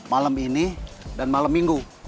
malam ini dan malam minggu